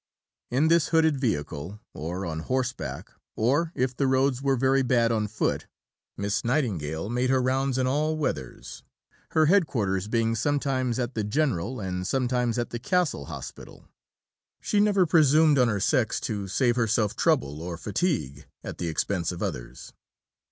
In this hooded vehicle, or on horseback, or if the roads were very bad on foot, Miss Nightingale made her rounds in all weathers, her headquarters being sometimes at the General and sometimes at the Castle Hospital. She never presumed on her sex to save herself trouble or fatigue at the expense of others.